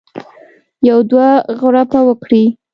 یو دوه غړپه وکړي.